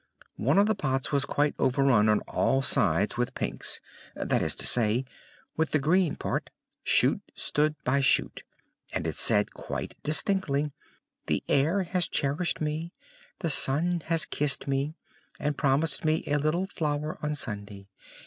One of the pots was quite overrun on all sides with pinks, that is to say, with the green part; shoot stood by shoot, and it said quite distinctly, "The air has cherished me, the sun has kissed me, and promised me a little flower on Sunday!